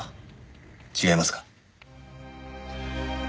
違いますか？